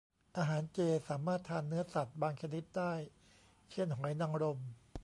อาหารเจ สามารถทานเนื้อสัตว์บางชนิดได้ เช่นหอยนางรม